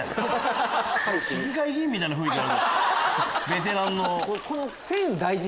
ベテランの。